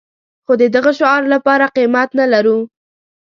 خو د دغه شعار لپاره قيمت نه لرو.